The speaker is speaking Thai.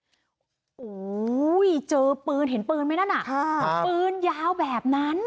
โอ้โหเจอปืนเห็นปืนไหมนั่นน่ะปืนยาวแบบนั้น